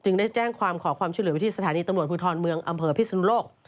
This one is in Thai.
ได้แจ้งความขอความช่วยเหลือไปที่สถานีตำรวจภูทรเมืองอำเภอพิศนุโลก